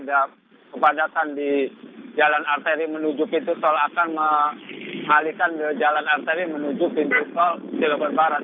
setiap kepolisian juga akan mengatur rekayasa lalu lintas jika ada kepadatan di jalan rtw menuju pintu tol akan mengalihkan ke jalan rtw menuju pintu tol di lepar barat